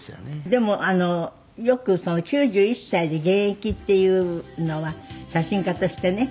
でもよく９１歳で現役っていうのは写真家としてね。